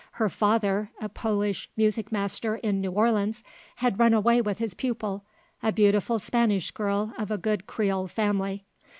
Her father, a Polish music master in New Orleans, had run away with his pupil, a beautiful Spanish girl of a good Creole family.